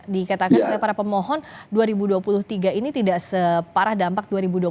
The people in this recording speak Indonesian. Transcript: dikatakan oleh para pemohon dua ribu dua puluh tiga ini tidak separah dampak dua ribu dua puluh empat